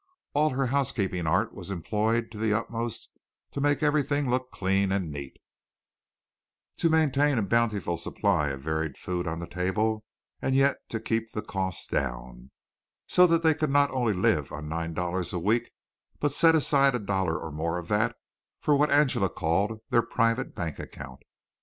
All her housekeeping art was employed to the utmost to make everything look clean and neat, to maintain a bountiful supply of varied food on the table and yet to keep the cost down, so that they could not only live on nine dollars a week, but set aside a dollar or more of that for what Angela called their private bank account.